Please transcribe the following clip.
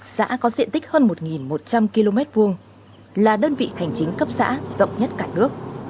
xã có diện tích hơn một một trăm linh km hai là đơn vị hành chính cấp xã rộng nhất cả nước